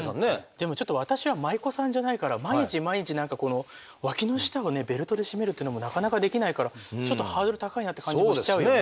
でもちょっと私は舞妓さんじゃないから毎日毎日何かこのワキの下をベルトで締めるっていうのもなかなかできないからちょっとハードル高いなって感じもしちゃうよね。